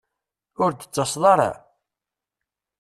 Ur d-tettaseḍ ara?